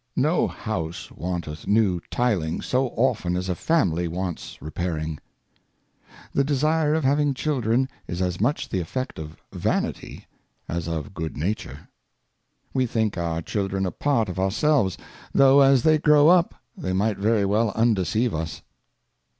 No House wanteth new Tiling so often as a Family wants Repairing. The Desire of having Children is as much the Effect of Vanity as of Good nature. We think our Children a Part of ourselves, though as they grow up they might very well undeceive us.